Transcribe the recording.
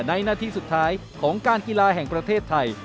หน้าที่สุดท้ายของการกีฬาแห่งประเทศไทย